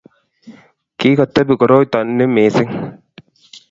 kikotebi koroita ni missing